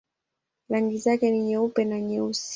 Rangi zake ni nyeupe na nyeusi.